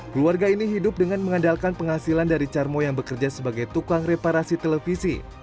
keluarga ini hidup dengan mengandalkan penghasilan dari carmo yang bekerja sebagai tukang reparasi televisi